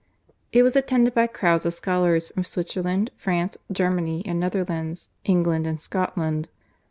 It was attended by crowds of scholars from Switzerland, France, Germany, the Netherlands, England, and Scotland.